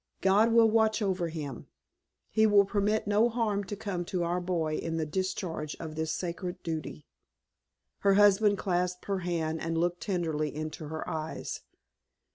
God will watch over him. He will permit no harm to come to our boy in the discharge of this sacred duty." Her husband clasped her hand and looked tenderly into her eyes.